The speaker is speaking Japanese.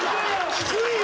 低いよ！